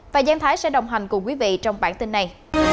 và giang thái sẽ đồng hành cùng quý vị trong bản tin này